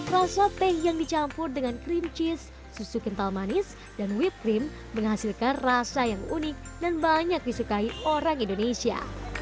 rasa teh yang dicampur dengan cream cheese susu kental manis dan whippe cream menghasilkan rasa yang unik dan banyak disukai orang indonesia